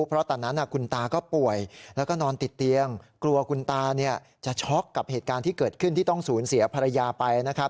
เพราะตอนนั้นคุณตาก็ป่วยแล้วก็นอนติดเตียงกลัวคุณตาจะช็อกกับเหตุการณ์ที่เกิดขึ้นที่ต้องสูญเสียภรรยาไปนะครับ